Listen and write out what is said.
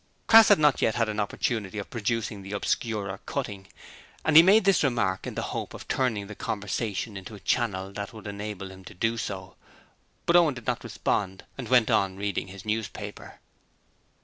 Crass had not yet had an opportunity of producing the Obscurer cutting, and he made this remark in the hope of turning the conversation into a channel that would enable him to do so. But Owen did not respond, and went on reading his newspaper.